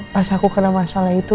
pas aku kena masalah itu